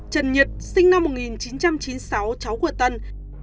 trần nhật sinh năm một nghìn chín trăm chín mươi sáu cháu của tân